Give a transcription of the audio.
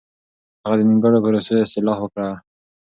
هغه د نيمګړو پروسو اصلاح وکړه.